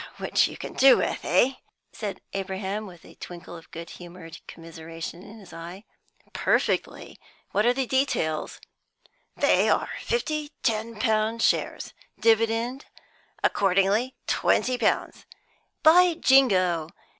"Which you can do with, eh?" said Abraham, with a twinkle of good humoured commiseration in his eye. "Perfectly. What are the details?" "There are fifty ten pound shares. Dividend accordingly twenty pounds." "By Jingo!